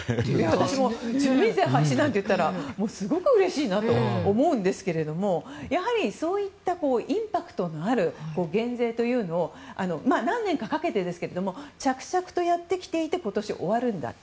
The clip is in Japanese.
私も住民税廃止だったらすごくうれしいなと思うんですがやはりそういったインパクトのある減税というのを何年かかけてですけど着々とやってきていて今年、終わるんだと。